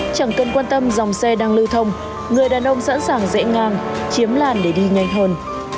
chẳng cần quan tâm dòng xe đang lưu thông người đàn ông sẵn sàng dễ ngang chiếm làn để đi nhanh hơn